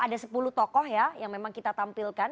ada sepuluh tokoh ya yang memang kita tampilkan